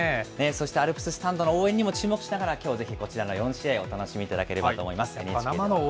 そしてアルプススタンドの応援にも注目しながら、きょうぜひこちらの４試合お楽しみいただければと思います。